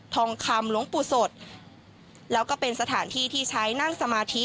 ทองคำหลวงปู่สดแล้วก็เป็นสถานที่ที่ใช้นั่งสมาธิ